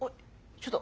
ちょっと。